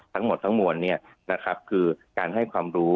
ทั้งหมดทั้งมวลคือการให้ความรู้